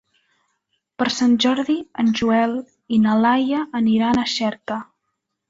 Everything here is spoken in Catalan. Per Sant Jordi en Joel i na Laia aniran a Xerta.